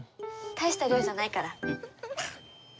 大した量じゃないから。